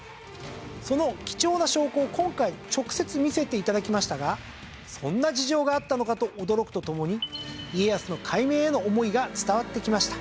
その貴重な証拠を今回直接見せて頂きましたがそんな事情があったのかと驚くとともに家康の改名への思いが伝わってきました。